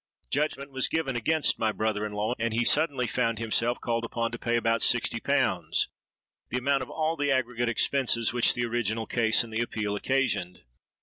Judgment was given against my brother in law; and he suddenly found himself called upon to pay about sixty pounds—the amount of all the aggregate expenses which the original case and the appeal occasioned.